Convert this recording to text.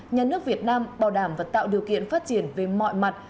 nhà nước việt nam bảo đảm và tạo điều kiện phát triển về mọi mặt